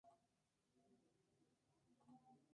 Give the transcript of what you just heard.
Palestina clasificó a una atleta en esta disciplina.